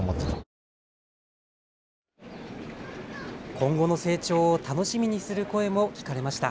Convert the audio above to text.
今後の成長を楽しみにする声も聞かれました。